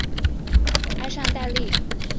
埃尚代利。